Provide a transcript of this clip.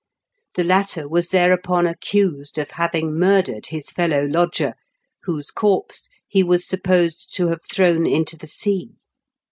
The latter was thereupon accused of having murdered his fellow lodger, whose corpse he was supposed to have thrown into the sea.